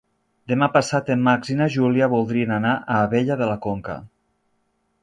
Demà passat en Max i na Júlia voldrien anar a Abella de la Conca.